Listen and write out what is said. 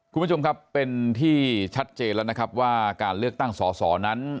คุณผู้ชมครับเป็นที่ชัดเจนแล้วนะครับว่าการเลือกตั้งสอสอนั้น